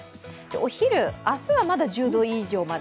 お昼、明日はまだ１０度以上まで。